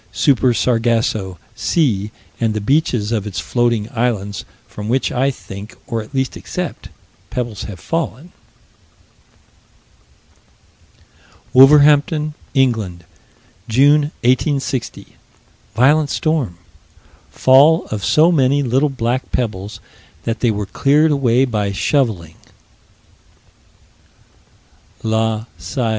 Super Sargasso Sea and the beaches of its floating islands from which I think, or at least accept, pebbles have fallen: Wolverhampton, England, June, 1860 violent storm fall of so many little black pebbles that they were cleared away by shoveling (_La Sci.